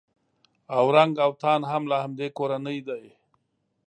اورنګ اوتان هم له همدې کورنۍ دي.